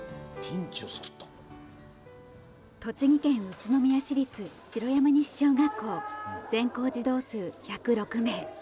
栃木県宇都宮市立城山西小学校全校児童数１０６名。